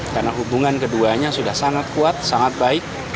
karena hubungan keduanya sudah sangat kuat sangat baik